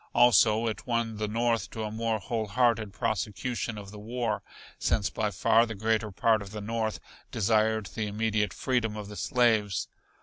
Also it won the North to a more whole hearted prosecution of the war, since by far the greater part of the North desired the immediate freedom of the slaves.